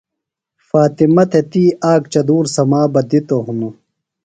فاطمہ تھےۡ تی آک چدُور سمابہ دِتوۡ ہِنوۡ۔